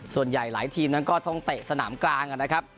ส่วนใหญ่หลายทีมนั้นก็ต้องเตะสนามกลางนะครับ